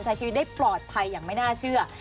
ใช้ชีวิตได้ปลอดภัยอย่างไม่น่าเชื่อ